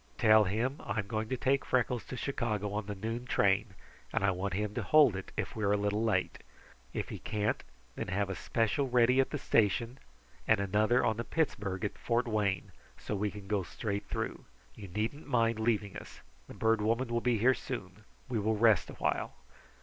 Tell him I'm going to take Freckles to Chicago on the noon train, and I want him to hold it if we are a little late. If he can't, then have a special ready at the station and another on the Pittsburgh at Fort Wayne, so we can go straight through. You needn't mind leaving us. The Bird Woman will be here soon. We will rest awhile."